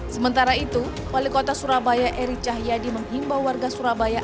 sementara itu wali kota surabaya eri cahyadi menghimbau warga surabaya